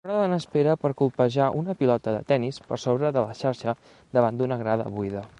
Una dona espera per colpejar una pilota de tennis per sobre de la xarxa davant d'una grada buida.